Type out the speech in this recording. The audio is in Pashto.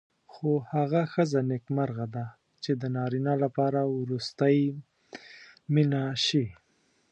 خو هغه ښځه نېکمرغه ده چې د نارینه لپاره وروستۍ مینه شي.